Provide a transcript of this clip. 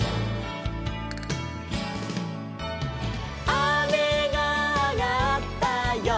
「あめがあがったよ」